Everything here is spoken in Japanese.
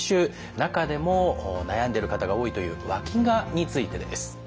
中でも悩んでる方が多いというわきがについてです。